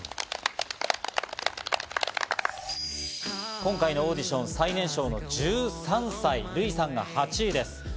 今回のオーディション最年少の１３歳、ルイさんが８位です。